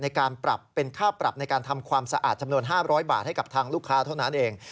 ในการปรับเป็นค่าปรับในการทำความสะอาดจำนวน๕๐๐บาทให้กับทางลูกค้าเท่านั้นเอง